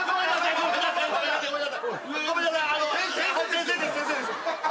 先生です先生です。